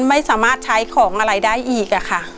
ไม่สามารถใช้ของอะไรได้อีกค่ะ